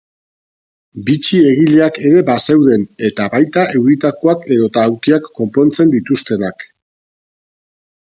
Bitxi-egileak ere bazeuden eta baita euritakoak edota aulkiak konpontzen dituztenak.